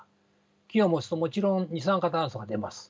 木を燃すともちろん二酸化炭素が出ます。